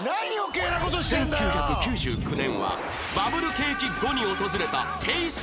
１９９９年はバブル景気後に訪れた平成大不況